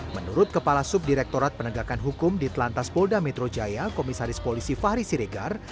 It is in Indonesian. menurut kepala subdirektorat penegakan hukum di telantas polda metro jaya komisaris polisi fahri siregar